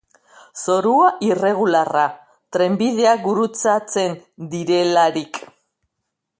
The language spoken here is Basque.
Zorua irregularra, trenbideak gurutzatzen direlarik.